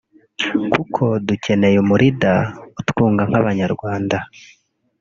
kuko ducyeneye umu “leader” utwunga nk’abanyarwanda